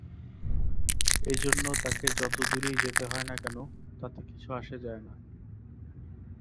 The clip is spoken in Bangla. এজন্য তাকে যতদূরেই যেতে হয় না কেন, তাতে কিছু যায় আসে না।